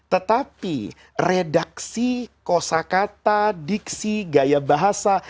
tetapi redaksi kosa kata diksi gaya bahasa